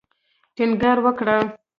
ټینګار وکړ.